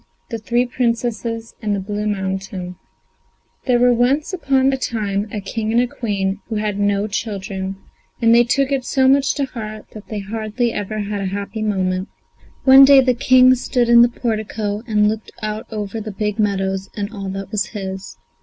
THE THREE PRINCESSES IN THE BLUE MOUNTAIN There were once upon a time a King and Queen who had no children, and they took it so much to heart that they hardly ever had a happy moment. One day the King stood in the portico and looked out over the big meadows and all that was his.